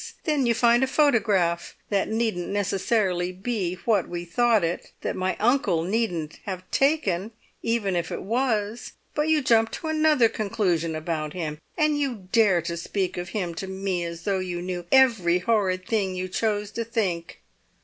Then you find a photograph that needn't necessarily be what we thought it, that my uncle needn't have taken even if it was; but you jump to another conclusion about him, and you dare to speak of him to me as though you knew every horrid thing you chose to think!